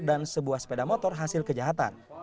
dan sebuah sepeda motor hasil kejahatan